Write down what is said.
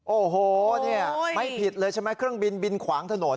โอ้โหเนี่ยไม่ผิดเลยใช่ไหมเครื่องบินบินขวางถนน